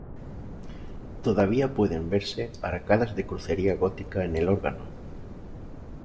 Todavía pueden verse arcadas de crucería gótica en el órgano.